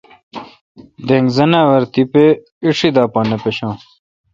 دینگ زناور تہ تیپہ اݭی دا نہ پشان۔